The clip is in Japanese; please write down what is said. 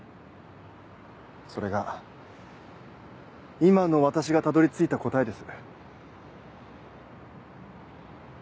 それが今の私がたどり着いた答えです。